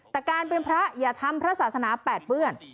แต่การเป็นพระอย่าทำพระศาสนาแปดเปื้อน